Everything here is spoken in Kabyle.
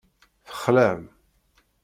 Texlam.